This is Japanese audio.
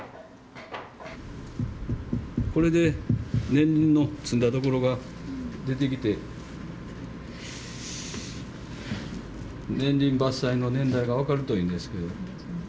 これで年輪の詰んだところが出てきて年輪伐採の年代が分かるといいんですけど。